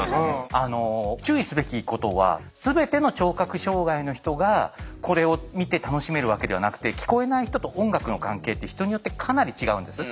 注意すべきことは全ての聴覚障害の人がこれを見て楽しめるわけではなくて聞こえない人と音楽の関係って人によってかなり違うんです。